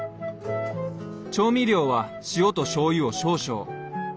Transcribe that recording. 調味料は塩としょうゆを少々。